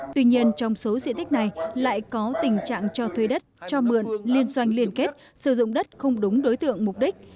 tuy nhiên trong số diện tích này lại có tình trạng cho thuê đất cho mượn liên xoanh liên kết sử dụng đất không đúng đối tượng mục đích